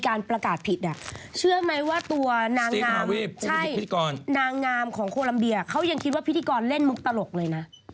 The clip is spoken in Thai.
ของโครลัมเบียร์เขายังคิดว่าพิธีกรเล่นมุกตลกเลยนะ